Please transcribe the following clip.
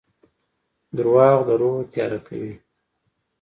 • دروغ د روح تیاره کوي.